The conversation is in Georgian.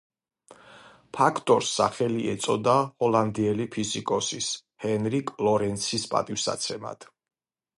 ფაქტორს სახელი ეწოდა ჰოლანდიელი ფიზიკოსის ჰენრიკ ლორენცის პატივსაცემად.